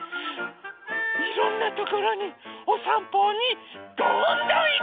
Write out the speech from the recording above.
いろんなところにおさんぽにどんどんいきたい！